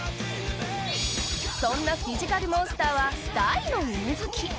そんなフィジカルモンスターは大の犬好き。